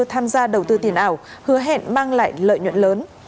tham gia đầu tư tiền ảo hứa hẹn mang lại lợi nhuận lớn